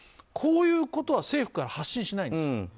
こういうことは政府から発信しないんですよ。